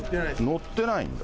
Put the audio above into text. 載ってないんだ。